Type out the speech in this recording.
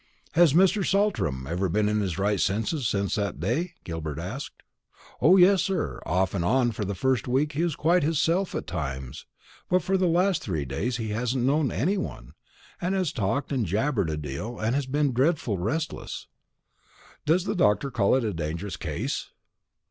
"Has Mr. Saltram never been in his right senses since that day?" Gilbert asked. "O yes, sir; off and on for the first week he was quite hisself at times; but for the last three days he hasn't known any one, and has talked and jabbered a deal, and has been dreadful restless." "Does the doctor call it a dangerous case?"